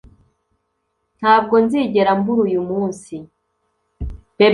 ntabwo nzigera mbura uyu munsi